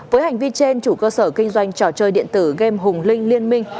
với hành vi trên chủ cơ sở kinh doanh trò chơi điện tử gam hùng linh liên minh